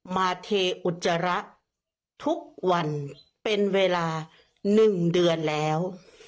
มาเทอุจจาระทุกวันเป็นเวลา๑เดือนแล้ว